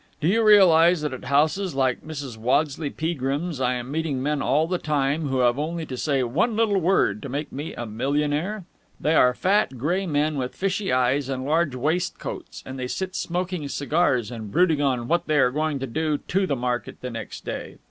Do you realize that at houses like Mrs. Waddesleigh Peagrim's I am meeting men all the time who have only to say one little word to make me a millionaire? They are fat, grey men with fishy eyes and large waistcoats, and they sit smoking cigars and brooding on what they are going to do to the market next day.